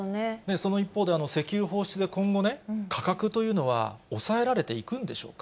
その一方で石油放出で、今後ね、価格というのは抑えられていくんでしょうか。